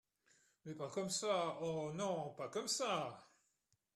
Mais pas comme ça ! oh ! non ! pas comme ça !